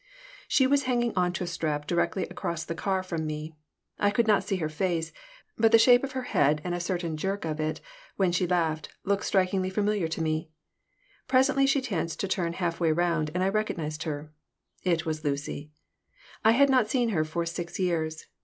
She was hanging on to a strap directly across the car from me. I could not see her face, but the shape of her head and a certain jerk of it, when she laughed, looked strikingly familiar to me. Presently she chanced to turn half way around, and I recognized her. It was Lucy. I had not seen her for six years.